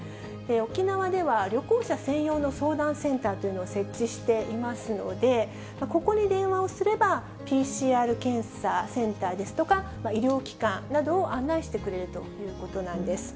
沖縄では、旅行者専用の相談センターというのを設置していますので、ここに電話をすれば、ＰＣＲ検査センターですとか、医療機関などを案内してくれるということなんです。